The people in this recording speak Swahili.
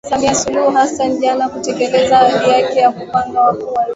Rais Samia Suluhu Hassan jana kutekeleza ahadi yake ya kupangua wakuu wa wilaya